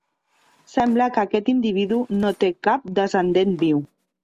Sembla que aquest individu no té cap descendent viu.